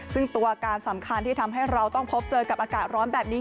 ซึ่งตัวการสำคัญที่ทำให้เราต้องพบเจอกับอากาศร้อนแบบนี้